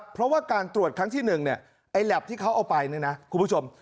เพราะว่าการตรวจครั้งที่๑ไอลับที่เขาเอาไปนึงนะคุณผู้ชม